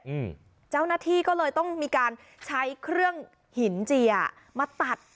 อืมเจ้าหน้าที่ก็เลยต้องมีการใช้เครื่องหินเจียมาตัด